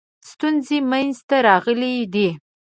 ستونزې منځته راغلي دي.